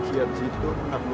siap situ enam puluh an wanita